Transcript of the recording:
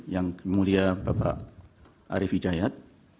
yang mulia bapak arief hidayat